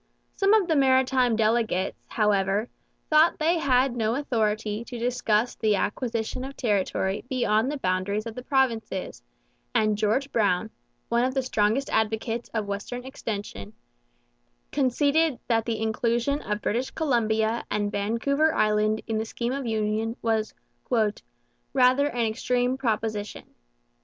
Some of the maritime delegates, however, thought they had no authority to discuss the acquisition of territory beyond the boundaries of the provinces; and George Brown, one of the strongest advocates of western extension, conceded that the inclusion of British Columbia and Vancouver Island in the scheme of union was 'rather an extreme proposition.'